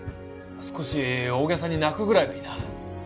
少し大げさに泣くぐらいがいいな。